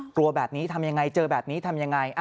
กลัวแบบนี้ทำยังไงเจอแบบนี้ทำยังไง